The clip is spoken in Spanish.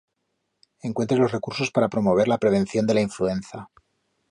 Encuentre los recursos para promover la prevención de la influenza.